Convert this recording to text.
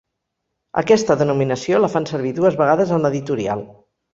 Aquesta denominació la fan servir dues vegades en l’editorial.